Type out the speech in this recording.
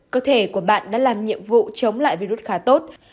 cơ thể của bạn đã làm nhiệm vụ chống lại virus khá tốt